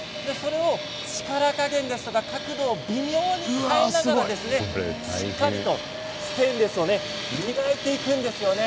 力加減、角度を微妙に変えながらしっかりとステンレスを磨いていくんですよね。